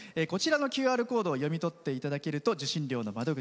ＱＲコードを読み取っていただけると受信料の窓口